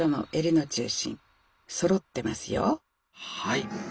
はい。